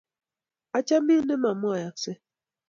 Achamin missing' ne ma mwooksey